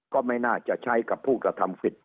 ก็ไม่น่าจะใช้กับผู้กระทำผิด